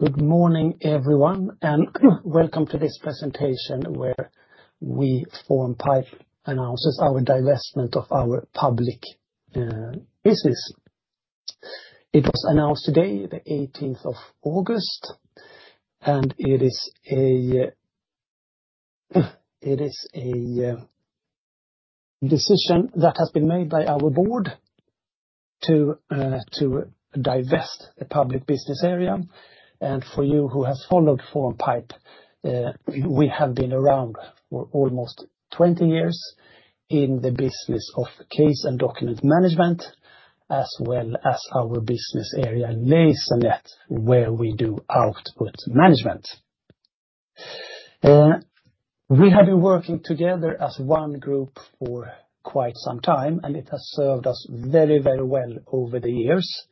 Good morning, everyone, and welcome to this presentation where we, Formpipe, announce our divestment of our public business. It was announced today, the 18th of August, and it is a decision that has been made by our board to divest the public business area. For you who have followed Formpipe, we have been around for almost 20 years in the business of case and document management, as well as our business area Lasernet, where we do output management. We have been working together as one group for quite some time, and it has served us very, very well over the years.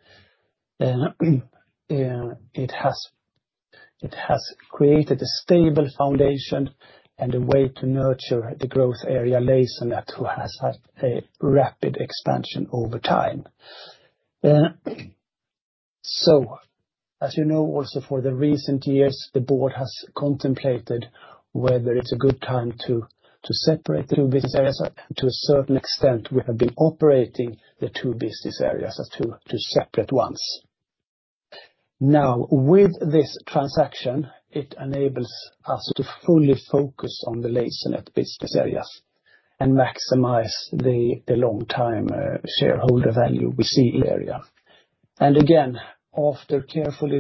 It has created a stable foundation and a way to nurture the growth area Lasernet, which has had a rapid expansion over time. As you know, also for the recent years, the board has contemplated whether it's a good time to separate the two business areas. To a certain extent, we have been operating the two business areas as two separate ones. Now, with this transaction, it enables us to fully focus on the Lasernet business areas and maximize the long-term shareholder value we see in the area. After careful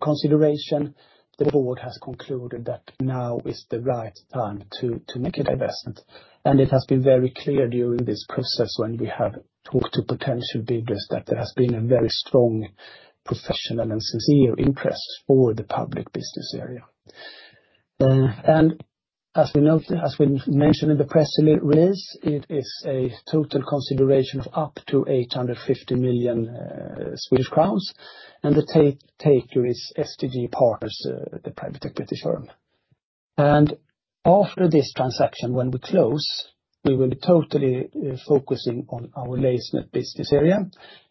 consideration, the board has concluded that now is the right time to make a divestment. It has been very clear during this process when we have talked to potential bidders that there has been a very strong professional and sincere interest for the public business area. As we mentioned in the press release, it is a total consideration of up to 850 million Swedish crowns, and the taker is STG Partners, the private equity firm. After this transaction, when we close, we will be totally focusing on our Lasernet business area,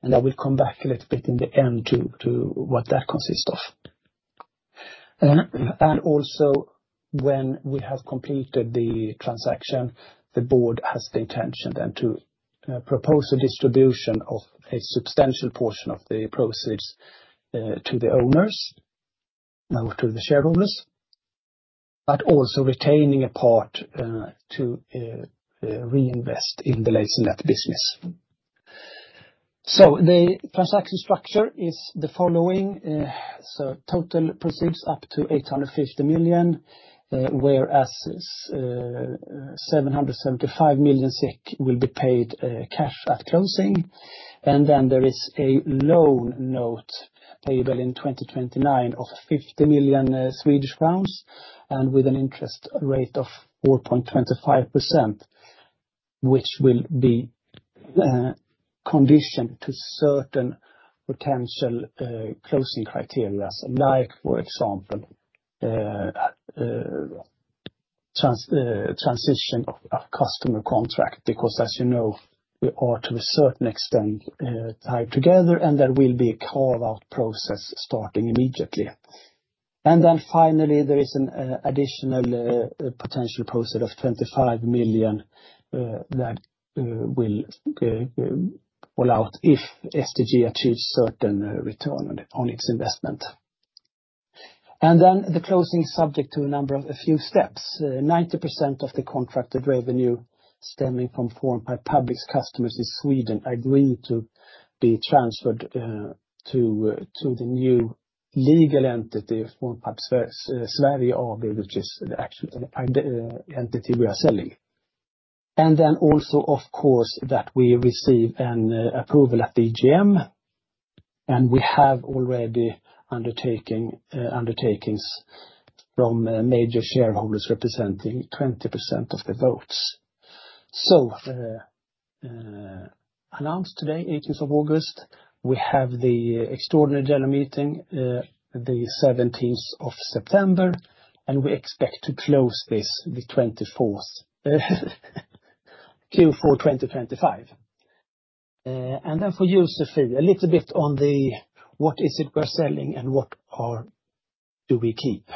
and I will come back a little bit in the end to what that consists of. Also, when we have completed the transaction, the board has the intention then to propose a distribution of a substantial portion of the proceeds to the owners, to the shareholders, but also retaining a part to reinvest in the Lasernet business. The transaction structure is the following. Total proceeds up to 850 million, whereas 775 million SEK will be paid cash at closing. Then there is a loan note payable in 2029 of SEK 50 million, with an interest rate of 4.25%, which will be conditioned to certain potential closing criteria, like, for example, transition of customer contract, because as you know, we are to a certain extent tied together, and there will be a carve-out process starting immediately. There is an additional potential proceed of 25 million that will fall out if STG achieves certain return on its investment. The closing is subject to a number of steps. 90% of the contracted revenue stemming from Formpipe Public's customers in Sweden are going to be transferred to the new legal entity, Formpipe Sverige AB, which is actually the entity we are selling. Also, of course, we receive an approval of the EGM, and we have already undertaken undertakings from major shareholders representing 20% of the votes. Announced today, 18th of August, we have the extraordinary general meeting the 17th of September, and we expect to close this the 24th, Q4 2025. For you, Sophie, a little bit on the what is it we're selling and what do we keep?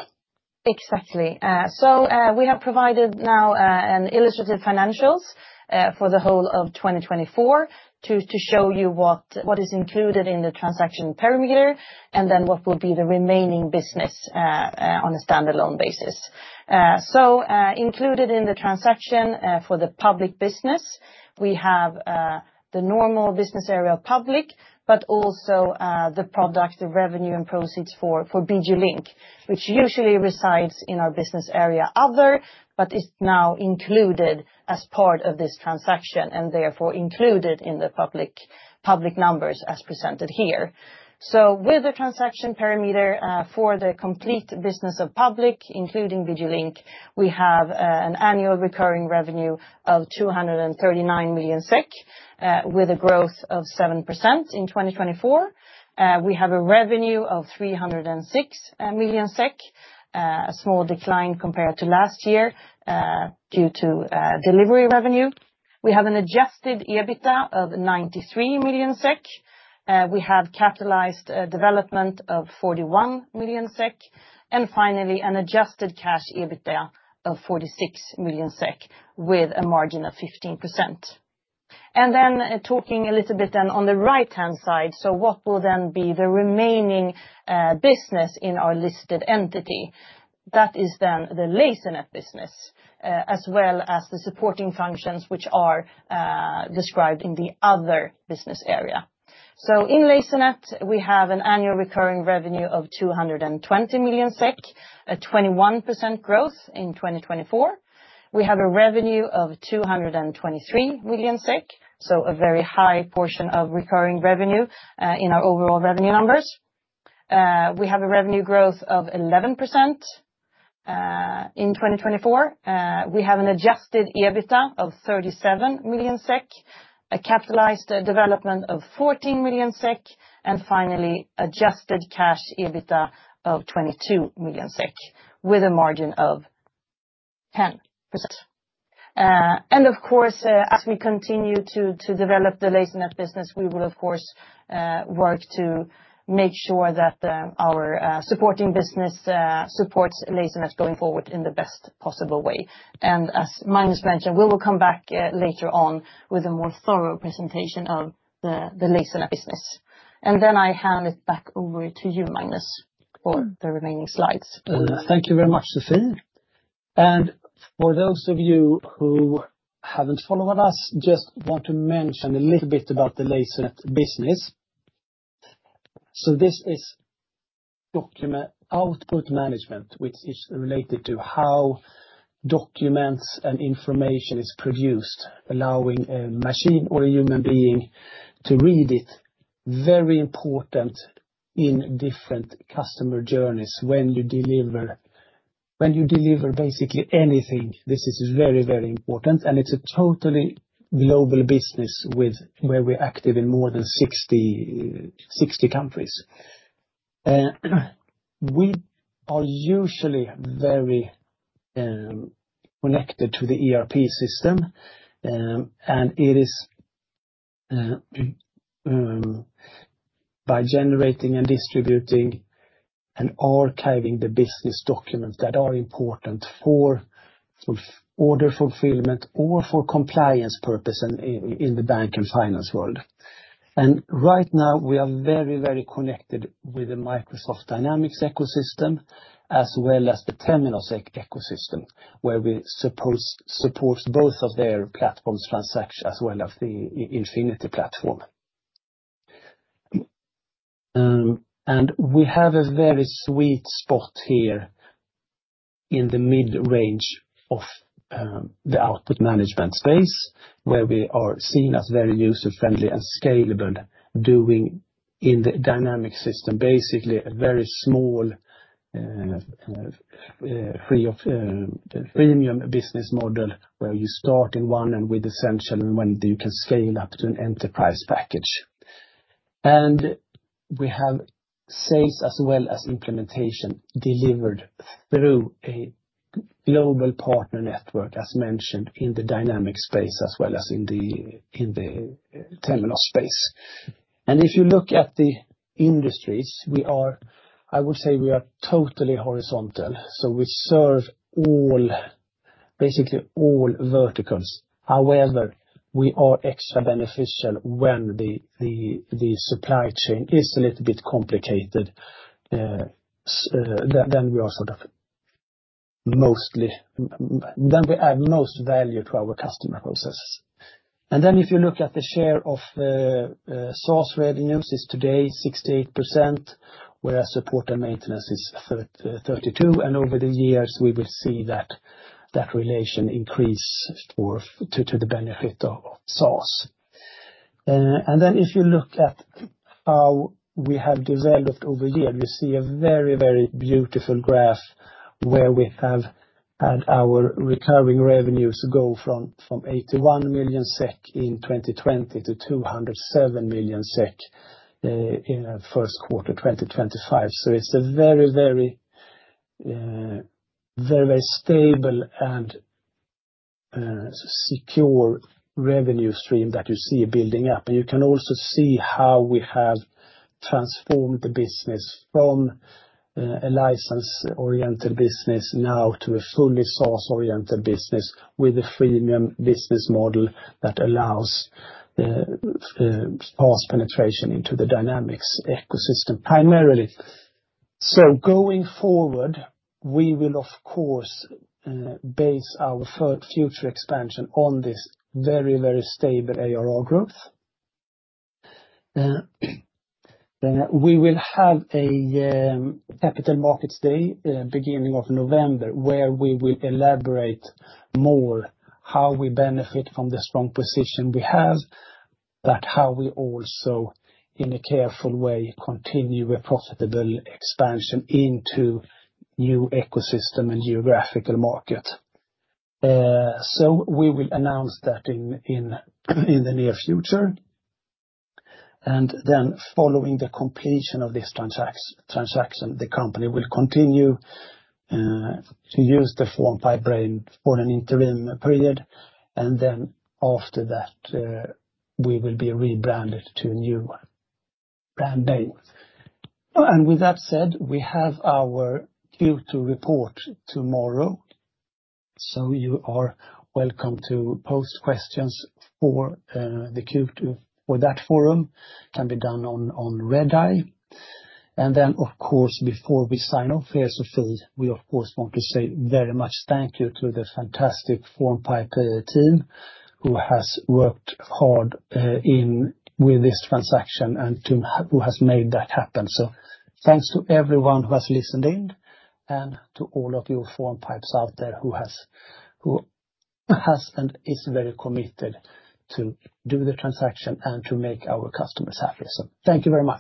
Exactly. We have provided now illustrative financials for the whole of 2024 to show you what is included in the transaction perimeter, and then what will be the remaining business on a standalone basis. Included in the transaction for the Public business, we have the normal business area of Public, but also the product, the revenue, and proceeds for BG Link, which usually resides in our business area Other, but is now included as part of this transaction and therefore included in the Public numbers as presented here. With the transaction perimeter for the complete business of Public, including BG Link, we have an annual recurring revenue of 239 million SEK with a growth of 7% in 2024. We have a revenue of 306 million SEK, a small decline compared to last year due to delivery revenue. We have an adjusted EBITDA of 93 million SEK. We have capitalized development of 41 million SEK, and finally, an adjusted cash EBITDA of 46 million SEK with a margin of 15%. Talking a little bit then on the right-hand side, what will then be the remaining business in our listed entity? That is the Lasernet business, as well as the supporting functions which are described in the Other business area. In Lasernet, we have an annual recurring revenue of 220 million SEK, a 21% growth in 2024. We have a revenue of 223 million SEK, so a very high portion of recurring revenue in our overall revenue numbers. We have a revenue growth of 11% in 2024. We have an adjusted EBITDA of 37 million SEK, a capitalized development of 14 million SEK, and finally, adjusted cash EBITDA of 22 million SEK with a margin of 10%. Of course, as we continue to develop the Lasernet business, we will, of course, work to make sure that our supporting business supports Lasernet going forward in the best possible way. As Magnus mentioned, we will come back later on with a more thorough presentation of the Lasernet business. I hand it back over to you, Magnus, for the remaining slides. Thank you very much, Sophie. For those of you who haven't followed us, just want to mention a little bit about the Lasernet business. This is document output management, which is related to how documents and information are produced, allowing a machine or a human being to read it. Very important in different customer journeys when you deliver, basically, anything. This is very, very important. It's a totally global business where we're active in more than 60 countries. We are usually very connected to the ERP system. It is by generating and distributing and archiving the business documents that are important for order fulfillment or for compliance purposes in the bank and finance world. Right now, we are very, very connected with the Microsoft Dynamics ecosystem, as well as the Terminal ecosystem where we support both of their platform transactions, as well as the Infinity platform. We have a very sweet spot here in the mid-range of the output management space where we are seen as very user-friendly and scalable, doing in the Dynamics system, basically, a very small, freemium business model where you start in one and with essential, and when you can scale up to an enterprise package. We have sales, as well as implementation, delivered through a global partner network, as mentioned, in the Dynamics space, as well as in the Terminal space. If you look at the industries, I would say we are totally horizontal. We serve, basically, all verticals. However, we are extra beneficial when the supply chain is a little bit complicated. We are mostly, then we add most value to our customer processes. If you look at the share of SaaS revenues, it's today 68%, whereas support and maintenance is 32%. Over the years, we will see that relation increase to the benefit of SaaS. If you look at how we have developed over the years, you see a very, very beautiful graph where we have had our recurring revenues go from 81 million SEK in 2020 to 207 million SEK in the first quarter of 2025. It's a very, very, very, very stable and secure revenue stream that you see building up. You can also see how we have transformed the business from a license-oriented business now to a fully SaaS-oriented business with a freemium business model that allows SaaS penetration into the Dynamics ecosystem primarily. Going forward, we will, of course, base our future expansion on this very, very stable ARR growth. We will have a capital markets day beginning of November where we will elaborate more on how we benefit from the strong position we have, but also, in a careful way, continue a profitable expansion into a new ecosystem and geographical market. We will announce that in the near future. Following the completion of this transaction, the company will continue to use the Formpipe brand for an interim period. After that, we will be rebranded to a new brand name. With that said, we have our Q2 report tomorrow. You are welcome to post questions for that forum. It can be done on Redeye. Before we sign off here, Sophie, we, of course, want to say very much thank you to the fantastic Formpipe team who has worked hard with this transaction and who has made that happen. Thanks to everyone who has listened in and to all of you Formpipes out there who has and is very committed to do the transaction and to make our customers happy. Thank you very much.